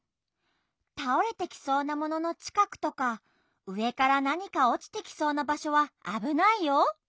たおれてきそうなもののちかくとかうえからなにかおちてきそうなばしょはあぶないよ。